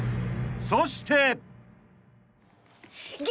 ［そして］